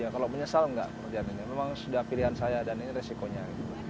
kalau menyesal nggak pekerjaan ini memang sudah pilihan saya dan ini resikonya